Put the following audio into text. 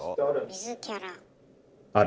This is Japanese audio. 水キャラ。